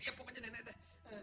ya pokoknya nenek dah